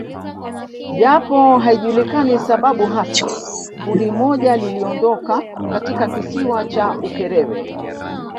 Japo haijulikani sababu hasa kundi moja liliondoka katika kisiwa cha Ukerewe